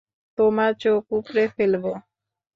তোমার চোখ উপড়ে ফেলবো?